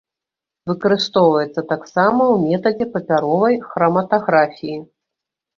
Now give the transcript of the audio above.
Выкарыстоўваецца таксама ў метадзе папяровай храматаграфіі.